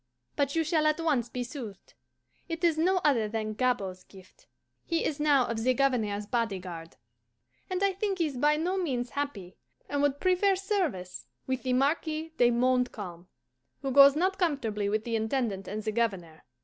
But you shall at once be soothed. It is no other than Gabord's gift. He is now of the Governor's body guard, and I think is by no means happy, and would prefer service with the Marquis de Montcalm, who goes not comfortably with the Intendant and the Governor.